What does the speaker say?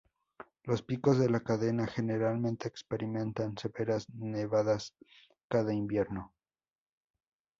Los picos de la cadena generalmente experimentan severas nevadas cada invierno.